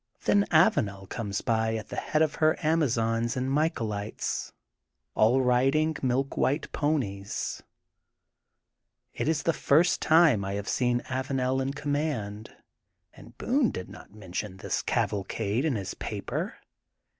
Then Avanel comes by at the head of her Amazons and Michaelites, all rid THE GOLDEN BOOK OF SPMNGFIELD 169 ing milk white ponies. It is the first time I have seen Avanel in command, and Boone did not mention this cavalcade in his paper.